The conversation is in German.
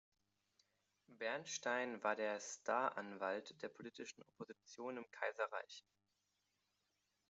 Bernstein war der Staranwalt der politischen Opposition im Kaiserreich.